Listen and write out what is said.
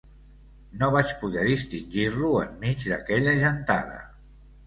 No vaig poder distingir-lo enmig d'aquella gentada.